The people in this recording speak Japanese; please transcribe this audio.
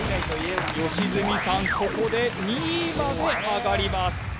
良純さんここで２位まで上がります。